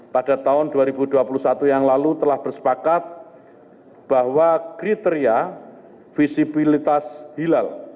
pada tahun dua ribu dua puluh satu yang lalu telah bersepakat bahwa kriteria visibilitas hilal